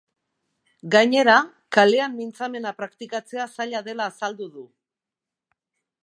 Gainera, kalean mintzamena praktikatzea zaila dela azaldu du.